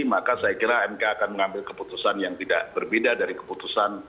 maka saya kira mk akan mengambil keputusan yang tidak berbeda dari keputusan